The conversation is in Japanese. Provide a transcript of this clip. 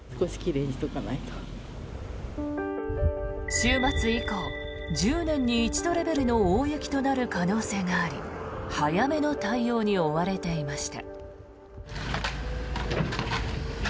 週末以降１０年に一度レベルの大雪となる可能性があり早めの対応に追われていました。